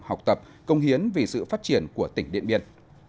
học tập công hiến vì sự phát triển của tỉnh điện biên